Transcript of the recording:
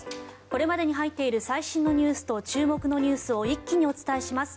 これまでに入っている最新のニュースと注目のニュースを一気にお伝えします。